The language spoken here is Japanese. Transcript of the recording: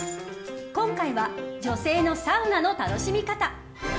今回は女性のサウナの楽しみ方。